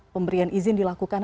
pemberian izin dilakukan